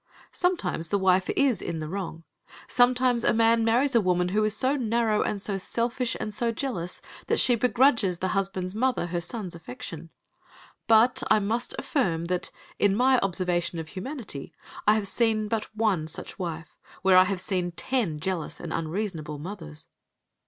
Sometimes the wife is in the wrong. Sometimes a man marries a woman who is so narrow and so selfish and so jealous that she begrudges the husband's mother her son's affection. But I must affirm that, in my observation of humanity, I have seen but one such wife, where I have seen ten jealous and unreasonable mothers.